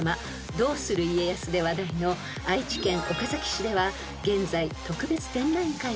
『どうする家康』で話題の愛知県岡崎市では現在］